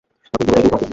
এখন পুরোটাই দুর্ভাগ্য।